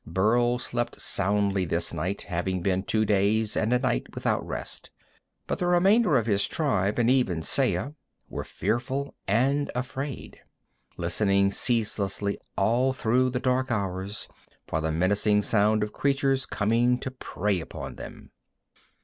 Burl slept soundly this night, having been two days and a night without rest, but the remainder of his tribe, and even Saya, were fearful and afraid, listening ceaselessly all through the dark hours for the menacing sounds of creatures coming to prey upon them.